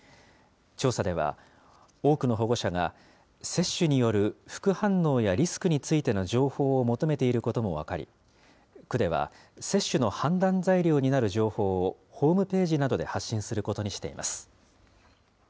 調査では、多くの保護者が接種による副反応やリスクについての情報を求めていることも分かり、区では、接種の判断材料になる情報をホームページなどで発信することにし